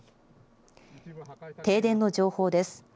停電の情報です。